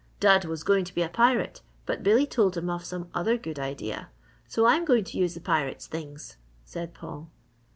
"Dud was going to be a pirate but Billy told him of some other good idea so I'm going to use the pirate's things," said Paul.